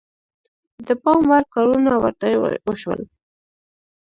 د پام وړ کارونه ورته وشول.